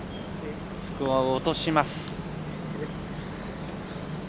スコアを落とします。